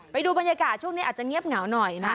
ไปดูบรรยากาศช่วงนี้อาจจะเงียบเหงาหน่อยนะ